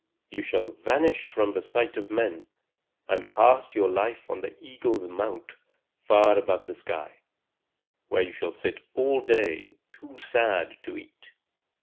You shall vanish from the sight of men, and pass your life on the eagle's mount far above the sky, where you shall sit all day, too sad to eat.